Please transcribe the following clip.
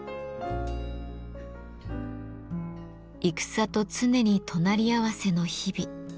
戦と常に隣り合わせの日々。